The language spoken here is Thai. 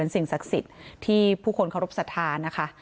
สิ่งศักดิ์สิทธิ์ที่ผู้คนเคารพสัทธานะคะ